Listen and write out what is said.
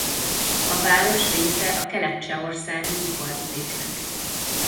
A város része a kelet-csehországi iparvidéknek.